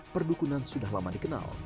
perdukunan sudah lama dikenal